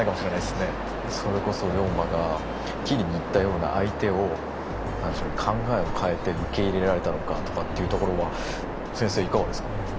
それこそ龍馬が斬りにいったような相手を考えを変えて受け入れられたのかとかっていうところは先生いかがですか？